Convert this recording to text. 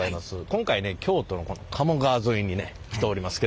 今回ね京都のこの鴨川沿いにね来ておりますけども。